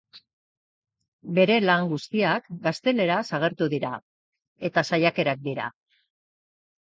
Bere lan guztiak gaztelaniaz agertu dira, eta saiakerak dira.